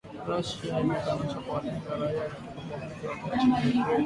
Russia imekanusha kuwalenga raia katika uvamizi wake nchini Ukraine